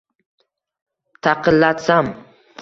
Taqillatsam…